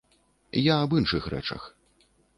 Я аб іншых рэчах.